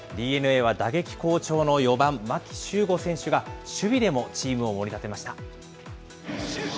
ＤｅＮＡは打撃好調の４番牧秀悟選手が、守備でもチームをもり立てました。